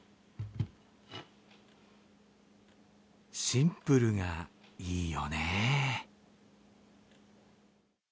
シンプルがいいよね。